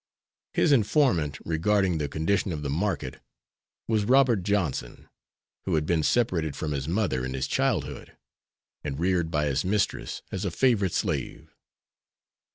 His informant regarding the condition of the market was Robert Johnson, who had been separated from his mother in his childhood and reared by his mistress as a favorite slave.